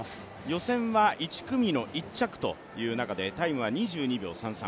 予選は１組の１着という中でタイムは２２秒３３。